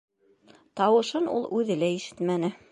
Тауышын ул үҙе лә ишетмәне.